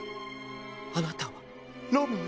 あなたはロミオ？